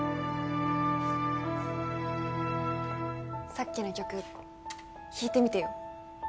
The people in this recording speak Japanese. さっきの曲弾いてみてよ